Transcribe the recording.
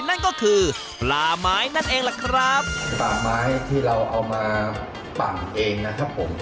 นั่นก็คือปลาไม้นั่นเองล่ะครับปลาไม้ที่เราเอามาปั่นเองนะครับผม